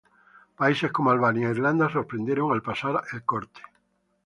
Países como Albania e Irlanda sorprendieron al pasar el corte.